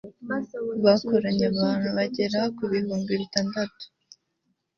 bakoranya abantu bagera ku bihumbi bitandatu